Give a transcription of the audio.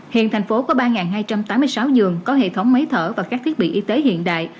hiện thành phố có ba hai trăm tám mươi sáu giường có hệ thống máy thở và các thiết bị y tế hiện đại